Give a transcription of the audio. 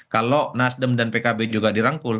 kalau nasdem dan pkb juga dirangkul